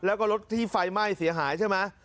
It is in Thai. แล้วก็รถที่ไฟไหม้เสียหายใช่ไหม